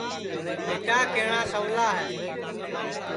ٻیٹا کیہٹؔا سَولا ہے